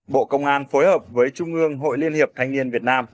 bộ công an phối hợp với trung ương hội liên hiệp thanh niên việt nam